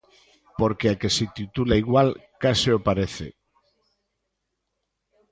Porque a que se titula igual... Case o parece.